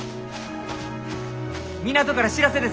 港から知らせです！